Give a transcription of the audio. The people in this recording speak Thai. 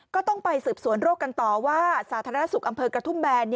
ก็ต้องไปสืบสวนโรคกันต่อว่าสาธารณสุขอำเภอกระทุ่มแบน